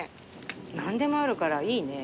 何でもあるからいいね。